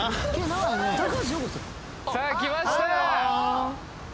さあ来ました